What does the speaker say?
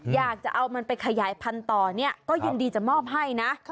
อยากจะเอามันไปขยายพันธุ์ต่อเนี่ยก็ยินดีจะมอบให้นะ